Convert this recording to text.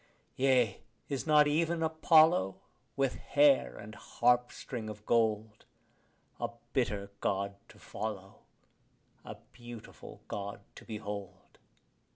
Yea, is not even Apollo, with hair and harpstring of gold, A bitter God to follow, a beautiful God to behold?